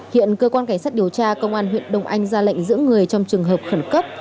hiện cơ quan cảnh sát điều tra công an huyện đông anh ra lệnh giữ người trong trường hợp khẩn cấp